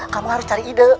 kamu harus cari ide